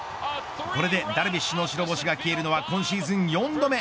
これでダルビッシュの白星が消えるのはこれで今シーズン４度目。